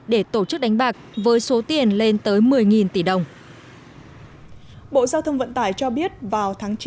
để tổ chức đánh bạc với số tiền lên tới một mươi tỷ đồng bộ giao thông vận tải cho biết vào tháng chín